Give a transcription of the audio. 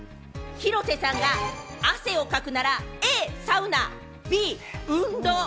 広瀬さんが汗をかくなら、Ａ・サウナ、Ｂ・運動。